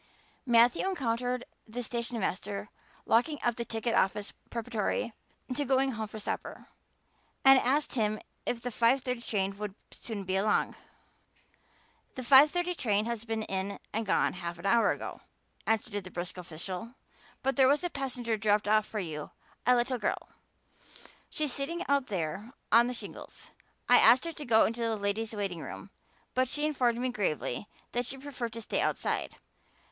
Matthew encountered the stationmaster locking up the ticket office preparatory to going home for supper, and asked him if the five thirty train would soon be along. "The five thirty train has been in and gone half an hour ago," answered that brisk official. "But there was a passenger dropped off for you a little girl. She's sitting out there on the shingles. I asked her to go into the ladies' waiting room, but she informed me gravely that she preferred to stay outside.